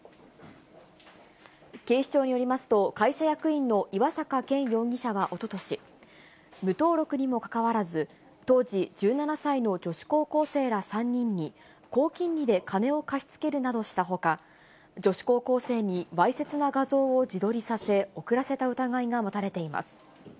警視庁によりますと、会社役員の岩坂健容疑者はおととし、無登録にもかかわらず、当時１７歳の女子高校生ら３人に、高金利で金を貸し付けるなどしたほか、女子高校生にわいせつな画像を自撮りさせ、送らせた疑いが持たれています。